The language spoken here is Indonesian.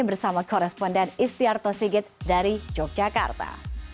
bersama koresponden istiarto sigit dari yogyakarta